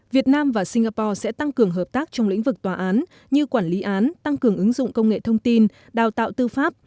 việt nam và singapore sẽ tăng cường hợp tác trong lĩnh vực tòa án như quản lý án tăng cường ứng dụng công nghệ thông tin đào tạo tư pháp